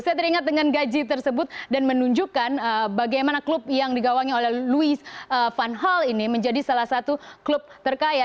saya teringat dengan gaji tersebut dan menunjukkan bagaimana klub yang digawangi oleh louis van hall ini menjadi salah satu klub terkaya